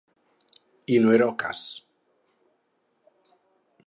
I no era el cas.